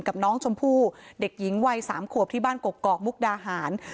กับน้องชมพู่เด็กหญิงวัย๓ขวบที่บ้านกกอกมุกดาหาร